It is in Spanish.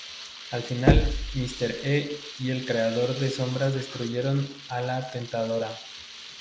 Al final, Mister E y el Creador de Sombras destruyeron a la Tentadora.